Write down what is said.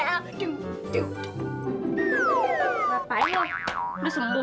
tapi aku perlu mencari tempatnya